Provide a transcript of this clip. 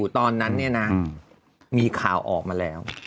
ตอนนั้นมีข่าวออกมาแล้ว